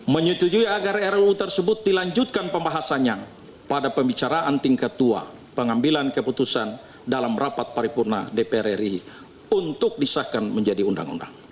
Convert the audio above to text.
menyetujui agar ruu tersebut dilanjutkan pembahasannya pada pembicaraan tingkat tua pengambilan keputusan dalam rapat paripurna dpr ri untuk disahkan menjadi undang undang